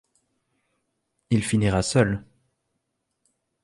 Il finira seul.